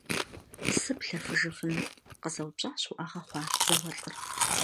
- Сыплъэфыжыфын? – къызэупщӀащ уӏэгъэ хъуа зауэлӏыр.